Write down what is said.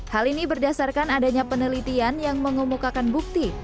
hal ini berdasarkan adanya penelitian yang mengumumkakan buku